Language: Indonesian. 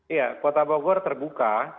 iya kota bogor terbuka